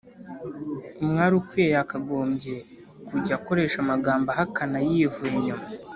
umwari ukwiye yakagombye kujya akoresha amagambo ahakana yivuye inyuma